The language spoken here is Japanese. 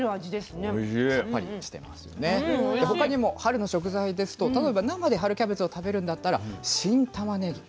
他にも春の食材ですと例えば生で春キャベツを食べるんだったら新たまねぎ。